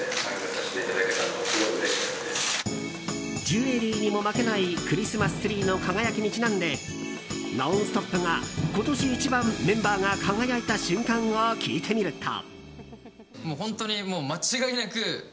ジュエリーにも負けないクリスマスツリーの輝きにちなんで「ノンストップ！」が今年一番メンバーが輝いた瞬間を聞いてみると。